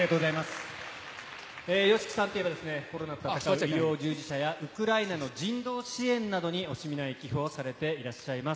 ＹＯＳＨＩＫＩさんといえば、コロナと闘う医療従事者や、ウクライナの人道支援などに、惜しみない寄付をされていらっしゃいます。